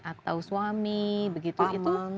atau suami begitu itu